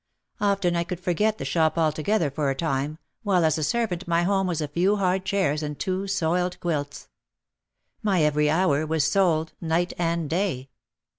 Often I could forget the shop altogether for a time, while as a servant my home was a few hard chairs and two soiled quilts. My every hour was sold, night and day.